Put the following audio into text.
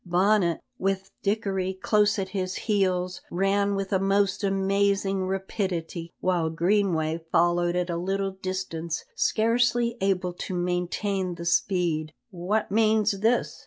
Bonnet, with Dickory close at his heels, ran with a most amazing rapidity, while Greenway followed at a little distance, scarcely able to maintain the speed. "What means this?"